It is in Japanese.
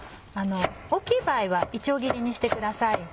大きい場合はいちょう切りにしてください。